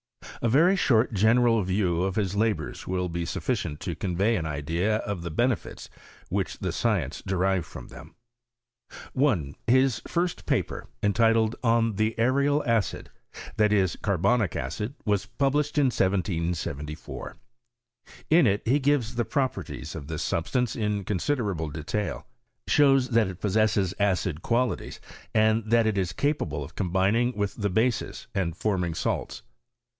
( A very short general view of his labours will be snf ficient to convey an idea of the benefits which the science derived frooi them. 1. His first paper, entitled "On the Aerial Acid," that is, carbonic acid, was published in 1774. In it he gives the properties of this substance in con siderable detail, shows that it possesses acid quali ties, and that it is capable of combining with tbs bases, and forming salts.